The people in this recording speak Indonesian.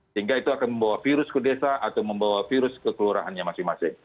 sehingga itu akan membawa virus ke desa atau membawa virus ke kelurahannya masing masing